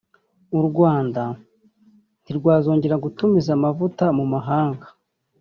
u Rwanda ntirwazongera gutumiza amavuta mu mahanga